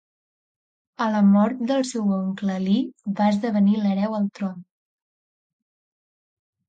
A la mort del seu oncle Alí va esdevenir l'hereu al tron.